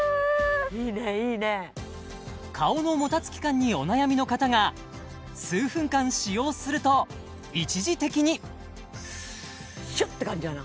いいねいいね顔のもたつき感にお悩みの方が数分間使用すると一時的にシュッて感じやな